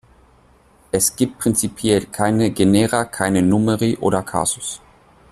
Es gibt prinzipiell keine Genera, keine Numeri oder Kasus.